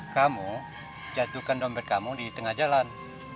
kamu jatuhkan dompet kamu di tengah jalan